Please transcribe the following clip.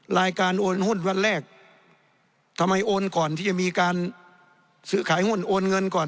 รายการโอนหุ้นวันแรกทำไมโอนก่อนที่จะมีการซื้อขายหุ้นโอนเงินก่อน